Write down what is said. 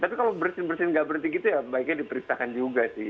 tapi kalau bersin bersin nggak berhenti gitu ya baiknya diperintahkan juga sih